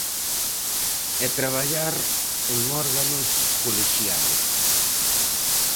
E traballar en órganos colexiados.